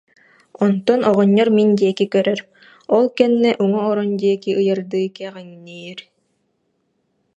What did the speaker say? Онтон оҕонньор мин диэки көрөр, ол кэннэ уҥа орон диэки ыйардыы кэҕиҥниир